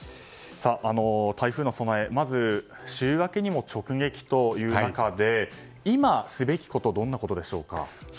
台風の備えまず週明けにも直撃という中で今すべきことはどんなことですか。